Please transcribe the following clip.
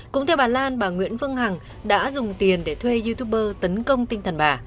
cũng theo bà lan bà nguyễn phương hằng đã dùng tiền để thuê youtuber tấn công tinh thần bà